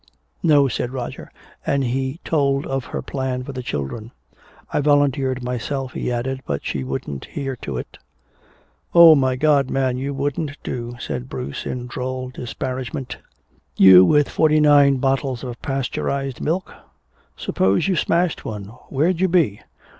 "No," said Roger. And he told of her plan for the children. "I volunteered myself," he added, "but she wouldn't hear to it." "Oh, my God, man, you wouldn't do," said Bruce, in droll disparagement. "You with forty nine bottles of pasteurized milk? Suppose you smashed one? Where'd you be?